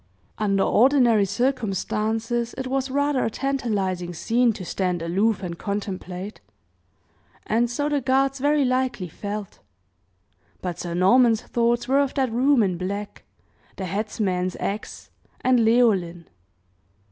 Under ordinary circumstances, it was rather a tantalizing scene to stand aloof and contemplate; and so the guards very likely felt; but Sir Norman's thoughts were of that room in black, the headsman's axe, and Leoline.